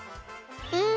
うん。